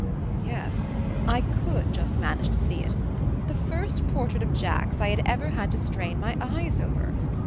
Yes I could just manage to see it the first portrait of Jack's I had ever had to strain my eyes over!